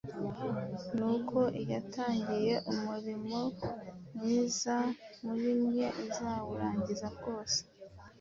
ni uko Iyatangiye umurimo mwiza muri mwe izawurangiza rwose